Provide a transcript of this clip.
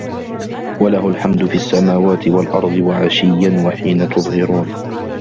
وَلَهُ الحَمدُ فِي السَّماواتِ وَالأَرضِ وَعَشِيًّا وَحينَ تُظهِرونَ